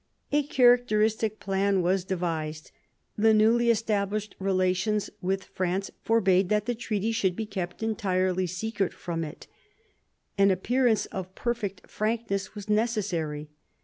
A characteristic plan was devised. The newly established relations with France forbade that the treaty should be kept entirely secret from it ; an appearance of perfect frankness was necessary.